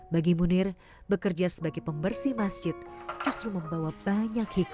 bagi munir bekerja sebagai pembersih masjid justru membawa banyak hikmah